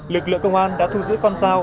lực lượng công an đã thu giữ con dao